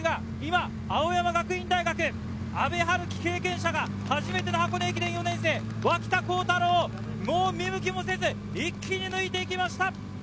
さぁ中央大学が今、青山学院大学・阿部陽樹、経験者が初めての箱根駅伝、４年生・脇田幸太朗をもう見向きもせず一気に抜いてきました。